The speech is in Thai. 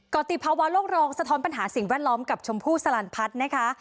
ติภาวะโลกรองสะท้อนปัญหาสิ่งแวดล้อมกับชมพู่สลันพัฒน์นะคะ